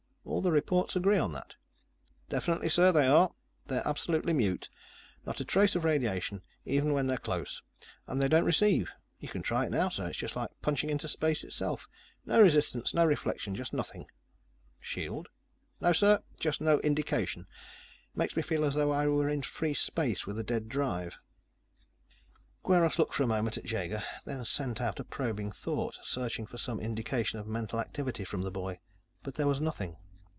All the reports agree on that." "Definitely, sir, they are. They're absolutely mute. Not a trace of radiation, even when they're close. And they don't receive. You can try it now, sir. It's just like punching into space itself. No resistance, no reflection, just nothing." "Shield?" "No, sir. Just no indication. Makes me feel as though I were in free space with a dead drive." Kweiros looked for a moment at Jaeger, then sent out a probing thought, searching for some indication of mental activity from the boy. But there was nothing.